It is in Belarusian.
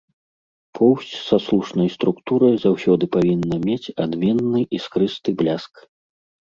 Поўсць са слушнай структурай заўсёды павінна мець адменны іскрысты бляск.